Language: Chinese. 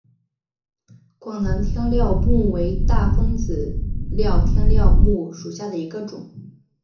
广南天料木为大风子科天料木属下的一个种。